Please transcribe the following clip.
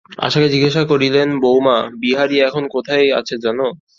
আশাকে জিজ্ঞাসা করিলেন, বউমা, বিহারী এখন কোথায় আছে জান?